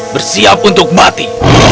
bersiap untuk mati